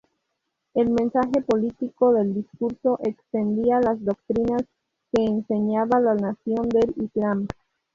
El mensaje político del discurso excedía las doctrinas que enseñaba la Nación del Islam.